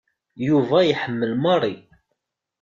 Yuba iḥemmel Mary.